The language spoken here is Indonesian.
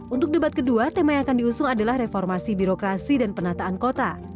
untuk debat kedua tema yang akan diusung adalah reformasi birokrasi dan penataan kota